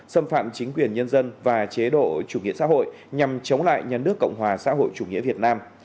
xâm phạm chính quyền nhân dân và chế độ chủ nghĩa xã hội nhằm chống lại nhà nước cộng hòa xã hội chủ nghĩa việt nam